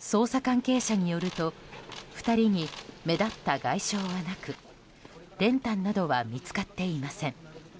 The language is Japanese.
捜査関係者によると２人に目立った外傷はなく練炭などは見つかっていません。